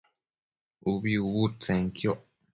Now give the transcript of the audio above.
ubi ucbudtsenquioc